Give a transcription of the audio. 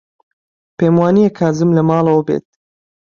پێم وانییە کازم لە ماڵەوە بێت.